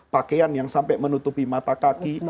pakaian yang sampai menutupi mata kaki